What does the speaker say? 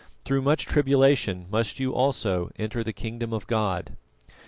Through much tribulation must you also enter the kingdom of God.